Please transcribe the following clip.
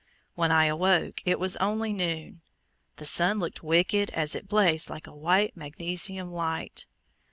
When I awoke it was only noon. The sun looked wicked as it blazed like a white magnesium light.